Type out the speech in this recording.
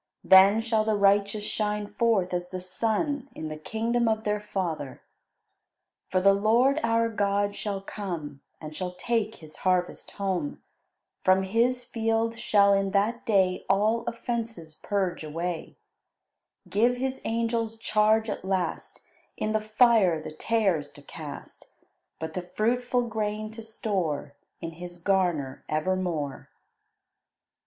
Then shall the righteous shine forth as the sun in the kingdom of their Father." "For the Lord our God shall come, And shall take His harvest home; From His field shall in that day All offences purge away; "Give His angels charge at last In the fire the tares to cast, But the fruitful grain to store In His garner evermore."